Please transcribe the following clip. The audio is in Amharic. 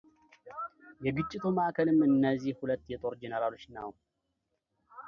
የግጭቱ ማዕከልም እነዚህ ሁለት የጦር ጀነራሎች ነው።